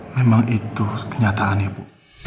memang itu kenyataan ibu